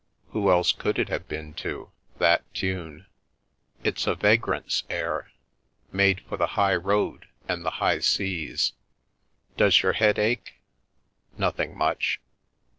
"" Who else could it have been to— that tune? It's a vagrant's air, made for the high road and the high seas. Does your head ache ?"" Nothing much."